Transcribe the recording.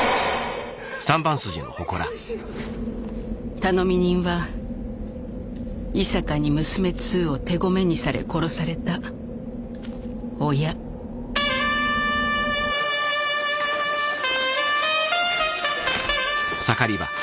頼み人は井坂に娘・つうを手ごめににされ殺された親何だ？